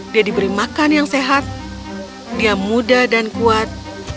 dia diberi makan yang sehat dia muda dan kuat